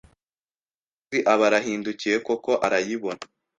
Umukozi aba arahindukiye koko arayibona,